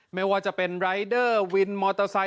ไม่ว่าจะเป็นรายเดอร์วินมอเตอร์ไซค